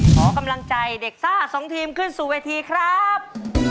ขอกำลังใจเด็กซ่า๒ทีมขึ้นสู่เวทีครับ